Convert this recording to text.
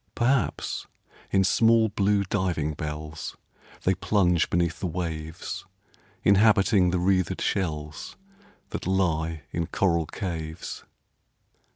Perhaps, in small, blue diving bells They plunge beneath the waves, Inhabiting the wreathed shells That lie in coral caves.